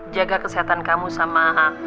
jaga kesehatan kamu sama